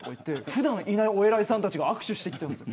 普段いないお偉いさんたちが握手してきたんです。